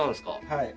はい。